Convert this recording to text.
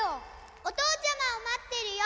おとうちゃまをまってるよ。